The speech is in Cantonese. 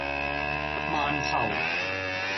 饅頭